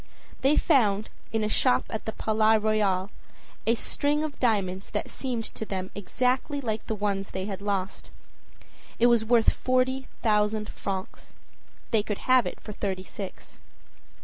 They found, in a shop at the Palais Royal, a string of diamonds that seemed to them exactly like the one they had lost. It was worth forty thousand francs. They could have it for thirty six.